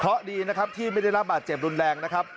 ก็ดีที่ไม่ได้รับบาดเจ็บรุนแรงนะครับ